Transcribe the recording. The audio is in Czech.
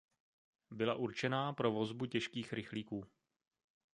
Byla určená pro vozbu těžkých rychlíků.